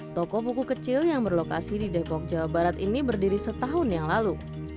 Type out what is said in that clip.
toko buku kecil yang berlokasi di depok jawa barat ini berdiri setahun yang lalu